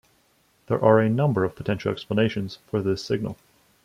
There are a number of potential explanations for this signal.